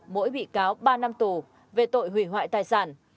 mỗi bị cáo ba năm tù về tội hủy hoại tài sản